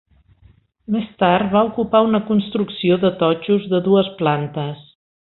Més tard, va ocupar una construcció de totxos de dues plantes.